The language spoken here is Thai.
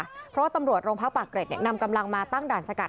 เพราะว่าตำรวจโรงพักปากเกร็ดเนี่ยนำกำลังมาตั้งด่านสกัด